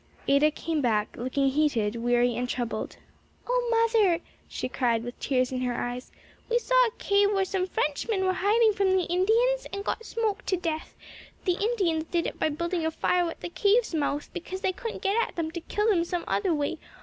Ada came back looking heated, weary and troubled. "O mother," she cried, with tears in her eyes, "we saw a cave where some Frenchmen were hiding from the Indians and got smoked to death; the Indians did it by building a fire at the cave's mouth, because they couldn't get at them to kill them some other way.